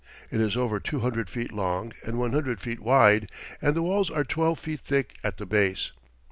It is over two hundred feet long and one hundred feet wide, and the walls are twelve feet thick at the base.